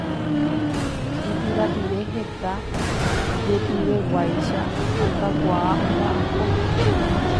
Ipirapire heta jepiveguáicha ha kakuaa omba'apo.